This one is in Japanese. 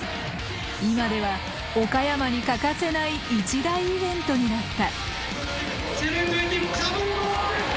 今では岡山に欠かせない一大イベントになった。